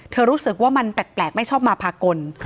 รู้สึกว่ามันแปลกไม่ชอบมาพากล